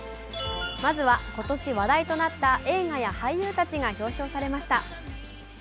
まずは今年話題となった映画や俳優たちが表彰されました。